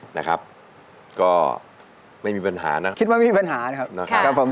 ครับนะครับก็ไม่มีปัญหานะครับคิดว่ามีปัญหานะครับครับผม